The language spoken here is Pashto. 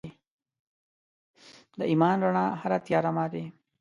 د ایمان رڼا هره تیاره ماتي.